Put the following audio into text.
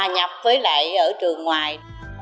nhập với lại ở trường ngoài